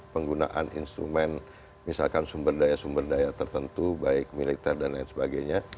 penggunaan instrumen misalkan sumber daya sumber daya tertentu baik militer dan lain sebagainya